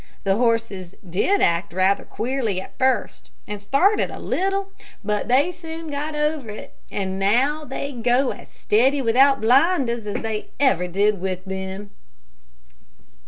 The horses did act rather queerly at first, and started a little; but they soon got over it, and now they go as steady without blinders as they ever did with them."